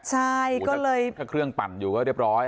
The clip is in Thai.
ใช่ก็เลยถ้าเครื่องปั่นอยู่ก็เรียบร้อย